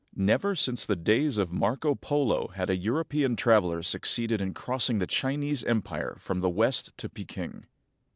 Never since the days of Marco Polo had a European traveler succeeded in crossing the Chinese empire from the west to Peking.